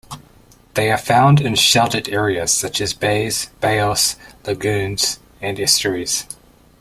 They are found in sheltered areas such as bays, bayous, lagoons, and estuaries.